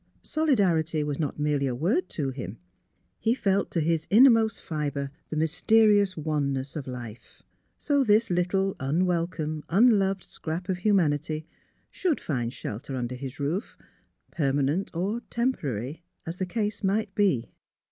Soli darity was not merely a word to him, he felt to his innermost fibre the mysterious oneness of life. So this little unwelcome, unloved scrap of human ity should find shelter under his roof, permanent or temporary as the case might be.